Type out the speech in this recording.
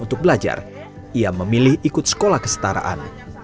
untuk belajar ia memilih ikut sekolah kesetaraan